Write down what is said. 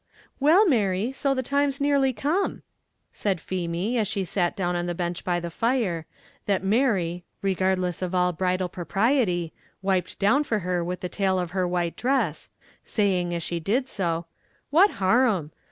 "Well, Mary, so the time's nearly come," said Feemy, as she sat down on the bench by the fire, that Mary, regardless of all bridal propriety, wiped down for her with the tail of her white dress; saying, as she did so, "What harum?